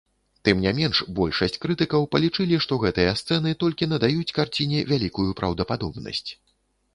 Тым не менш, большасць крытыкаў палічылі, што гэтыя сцэны толькі надаюць карціне вялікую праўдападобнасць.